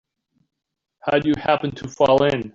How'd you happen to fall in?